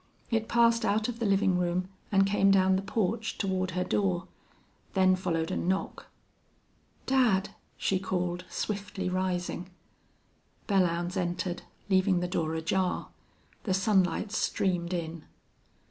It passed out of the living room and came down the porch toward her door. Then followed a knock. "Dad!" she called, swiftly rising. Belllounds entered, leaving the door ajar. The sunlight streamed in.